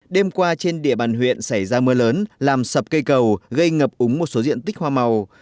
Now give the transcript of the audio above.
đêm qua trên địa bàn huyện xảy ra mưa lớn làm sập cây cầu gây ngập úng một số diện tích hoa màu